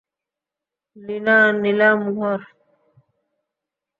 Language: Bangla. লিনা নিলাম ঘর।